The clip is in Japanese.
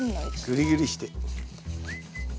グリグリして。